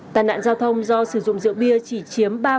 tai nạn giao thông do sử dụng rượu bia chỉ chiếm ba tám mươi bảy